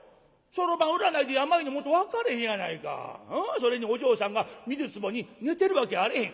それにお嬢さんが水壺に寝てるわけやあれへん」。